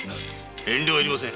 遠慮いりません。